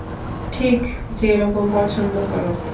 ঠিক যেরকম পছন্দ করো।